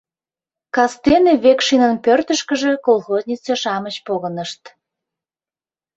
Кастене Векшинын пӧртышкыжӧ колхознице-шамыч погынышт.